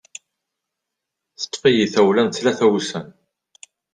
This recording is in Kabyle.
Teṭṭef-iyi tawla n tlata n wussan.